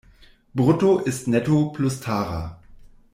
Brutto ist Netto plus Tara.